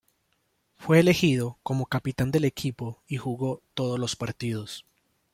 Fue elegido como capitán del equipo y jugó todos los partidos.